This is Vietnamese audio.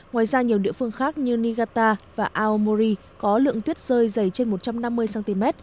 ngoài ra nhiều địa phương khác như nigata và aomori có lượng tuyết rơi dày trên một trăm năm mươi cm